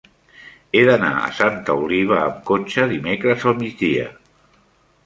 He d'anar a Santa Oliva amb cotxe dimecres al migdia.